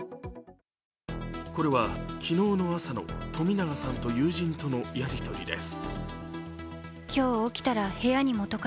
これは昨日の朝の冨永さんと友人とのやり取りです。